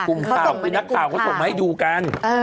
กลุ่มข่าวคือนักข่าวเขาส่งมาให้ดูกัน